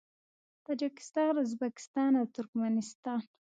تاجکستان، ازبکستان او ترکمنستان